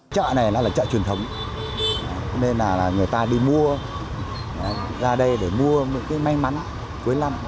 chợ này nó là chợ truyền thống nên là người ta đi mua ra đây để mua những cái may mắn cuối năm